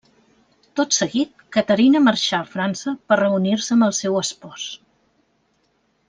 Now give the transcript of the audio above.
Tot seguit, Caterina marxà a França per reunir-se amb el seu espòs.